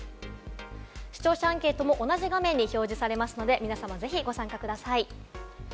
視聴者アンケートも同じ画面に表示されますので、皆さま、ぜひご参加ください。